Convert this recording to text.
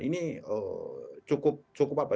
ini cukup apa